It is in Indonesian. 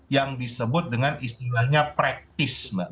yang disebut dengan istilahnya praktisme